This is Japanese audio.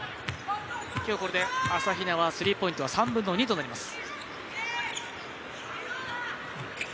今日これで朝比奈はスリーポイントは３分の２となります。